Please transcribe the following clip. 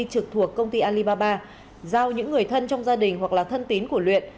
trực thuộc công ty alibaba giao những người thân trong gia đình hoặc là thân tín của luyện